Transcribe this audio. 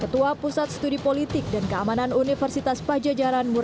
ketua pusat studi politik dan keamanan universitas pajajaran murni